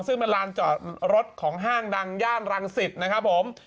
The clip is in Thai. ซึ่งเป็นลานจอดรถของห้างดังย่านรังสิตนะครับผม